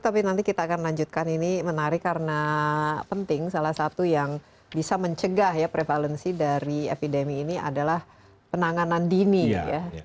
tapi nanti kita akan lanjutkan ini menarik karena penting salah satu yang bisa mencegah ya prevalensi dari epidemi ini adalah penanganan dini ya